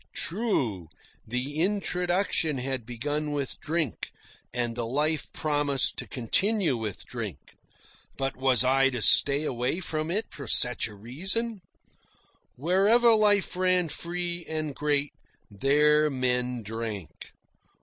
True, the introduction had begun with drink, and the life promised to continue with drink. But was I to stay away from it for such reason? Wherever life ran free and great, there men drank.